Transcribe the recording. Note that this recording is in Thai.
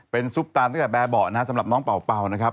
เป็นซุปตาตั้งแต่แบบเบาะนะครับสำหรับน้องเป่าเป่านะครับ